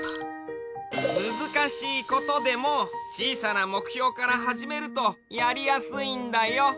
むずかしいことでもちいさなもくひょうからはじめるとやりやすいんだよ。